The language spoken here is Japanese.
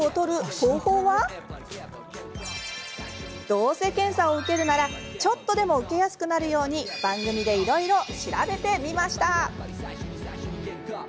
どうせ検査を受けるならちょっとでも受けやすくなるように番組でいろいろ調べてみました。